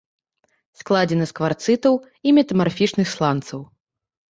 Складзена з кварцытаў і метамарфічных сланцаў.